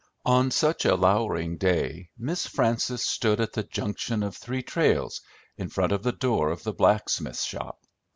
On such a lowering day, Miss Frances stood at the junction of three trails, in front of the door of the blacksmith's shop.